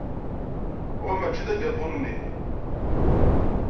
Wa mačči d agatu-nni.